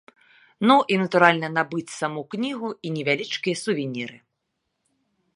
Ну і, натуральна, набыць саму кнігу і невялічкія сувеніры.